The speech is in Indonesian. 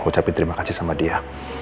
ucapin terima kasih sama dia